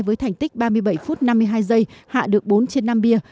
với thành tích ba mươi bảy phút năm mươi hai giây hạ được bốn trên năm bia